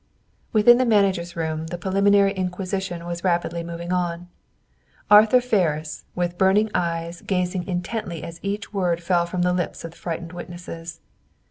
Within the manager's room, the preliminary inquisition was rapidly moving on. Arthur Ferris, with burning eyes gazing intently as each word fell from the lips of the frightened witnesses.